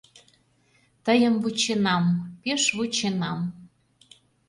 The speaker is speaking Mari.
Тыйым вученам, пеш вученам...